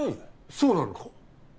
そうなのか？